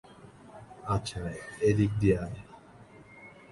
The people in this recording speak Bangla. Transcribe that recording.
আচ্ছা, এদিক দিয়ে আয়!